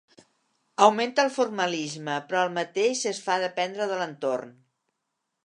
Augmenta el formalisme però al mateix es fa dependre de l'entorn.